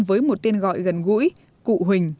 với một tiên gọi gần gũi cụ huỳnh